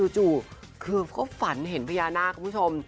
จู่คือก็ฝันเห็นพญานาคคุณผู้ชม